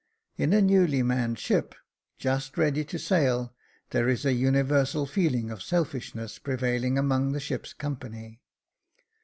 In a newly manned ship just ready to sail, there is a universal feeling of selfishness prevailing among the ship's company.